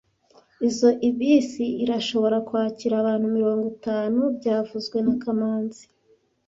Izoi bisi irashobora kwakira abantu mirongo itanu byavuzwe na kamanzi